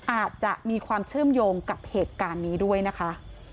อาจจะมีความเชื่อมโยงกับเหตุการณ์นี้ด้วยนะคะ